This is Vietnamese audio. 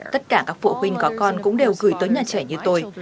tất cả các phụ huynh có con cũng đều gửi tới nhà trẻ như tôi